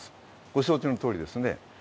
ご承知のとおりですね。